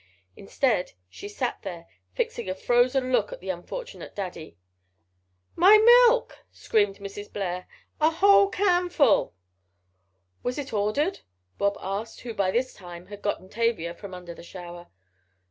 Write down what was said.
Instead she sat there, fixing a frozen look at the unfortunate Daddy. "My milk!" screamed Mrs. Blair. "A whole can full!" "Was it ordered?" Bob asked, who by this time had gotten Tavia from under the shower.